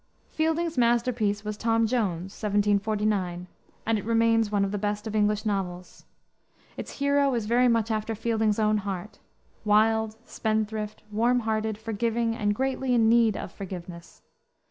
Fielding's masterpiece was Tom Jones, 1749, and it remains one of the best of English novels. Its hero is very much after Fielding's own heart, wild, spendthrift, warm hearted, forgiving, and greatly in need of forgiveness.